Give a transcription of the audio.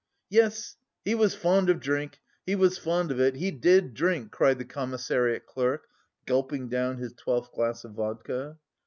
"Yes, he was fond of drink, he was fond of it, he did drink!" cried the commissariat clerk, gulping down his twelfth glass of vodka.